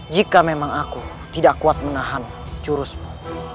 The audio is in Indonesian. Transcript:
jika memang aku tidak kuat menahan jurusmu